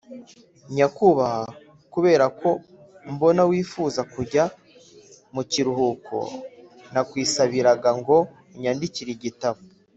nyakubahwa kubera ko mbona wifuza kujya mu kiruhuko, nakwisabiraga ngo unyandikire igitabo